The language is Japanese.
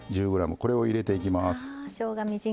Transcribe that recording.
１０ｇ入れていきます。